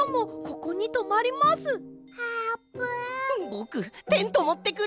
ぼくテントもってくる！